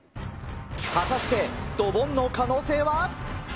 果たしてドボンの可能性は？